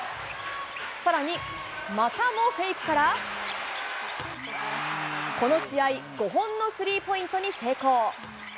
さらに、またもフェイクから、この試合、５本のスリーポイントに成功。